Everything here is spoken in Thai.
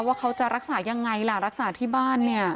ว่าเขาจะรักษายังไงล่ะรักษาที่บ้านเนี่ย